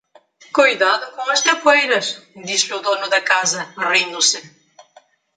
Cuidado com os capoeiras! disse-lhe o dono da casa, rindo-se.